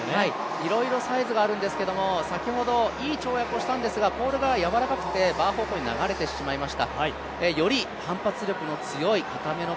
いろいろサイズがあるんですけど、先ほどいい跳躍をしたんですがポールがやわらかくてバー方向に流男子１５００ｍ決勝に挑みます。